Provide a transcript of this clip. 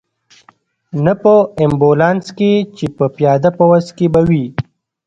نه په امبولانس کې، چې په پیاده پوځ کې به وې.